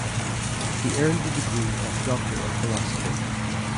He earned the degree of Doctor of Philosophy.